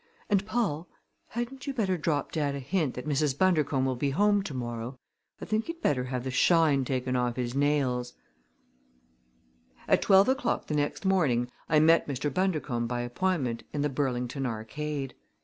"And, Paul, hadn't you better drop dad a hint that Mrs. Bundercombe will be home to morrow? I think he'd better have the shine taken off his nails!" At twelve o'clock the next morning I met Mr. Bundercombe by appointment in the Burlington Arcade.